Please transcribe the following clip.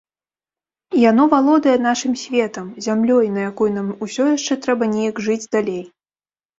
Яно валодае нашым светам, зямлёй, на якой нам усё яшчэ трэба неяк жыць далей.